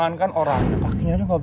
tidak ada yang bisa dihukum